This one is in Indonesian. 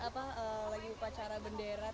lagi upacara bendera tujuh belas an